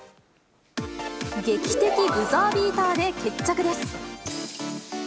劇的ブザービーターで決着です。